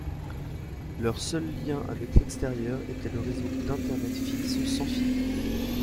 Leur seul lien avec l’extérieur était le réseau d’Internet fixe sans fil.